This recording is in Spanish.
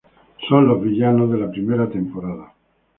Son los villanos de la primera temporada